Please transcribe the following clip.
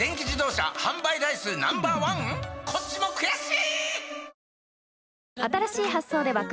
こっちも悔しい！